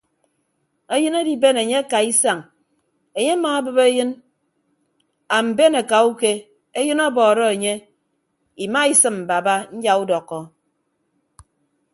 Eyịn adiben enye akaa isañ enye amaabịp eyịn amben akauke eyịn ọbọọrọ enye imaisịm baba nyaudọkkọ.